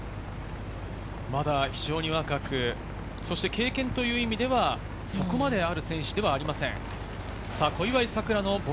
まだ非常に若く、経験という意味ではそこまである選手ではありません。